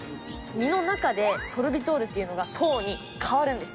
実の中でソルビトールというのが糖に変わるんです。